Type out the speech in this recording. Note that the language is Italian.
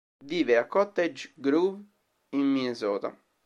Vive a Cottage Grove in Minnesota.